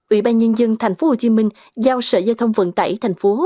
ủy ban nhân dân thành phố hồ chí minh giao sở giao thông vận tải thành phố